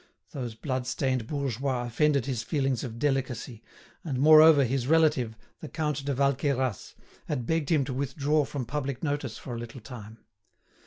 Those bloodstained bourgeois offended his feelings of delicacy, and moreover his relative, the Count de Valqueyras, had begged him to withdraw from public notice for a little time.